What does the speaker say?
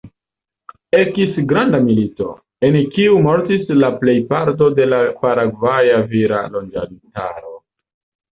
Ekis granda milito, en kiu mortis la plejparto de la Paragvaja vira loĝantaro.